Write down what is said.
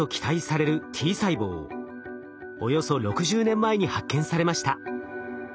およそ６０年前に発見されました。